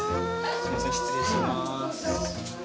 すいません失礼します。